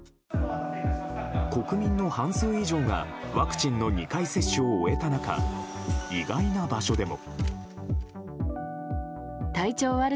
国民の半数以上がワクチンの２回接種を終えた中意外な場所でも。